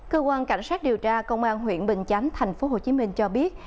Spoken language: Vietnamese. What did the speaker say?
cơ quan cảnh sát điều tra công an huyện bình chánh tp hcm cho biết